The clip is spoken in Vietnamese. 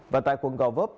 và tại quận co vấp